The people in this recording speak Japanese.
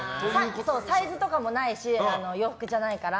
サイズとかもないし洋服じゃないから。